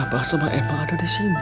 abah sama ema ada disini